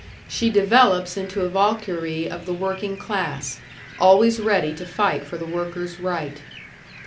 She develops into a Valküre of the working class, always ready to fight for the worker's right.